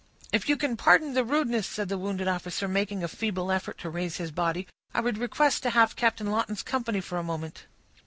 "If you can pardon the rudeness," said the wounded officer, making a feeble effort to raise his body, "I would request to have Captain Lawton's company for a moment."